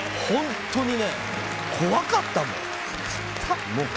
本当にね、怖かったもん。